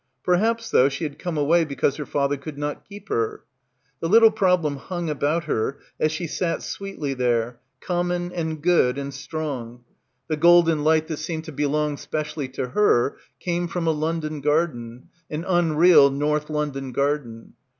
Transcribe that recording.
Perhaps, though, she had come away because her father could not keep her? The little problem hung about her as she sat sweetly there, common and good and strong. The golden 89 PILGRIMAGE light that seemed to belong specially to her came from a London garden, an unreal North London garden.